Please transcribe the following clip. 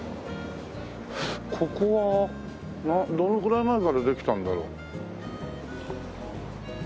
ここはどのぐらい前からできたんだろう？